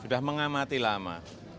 sudah mengamati lama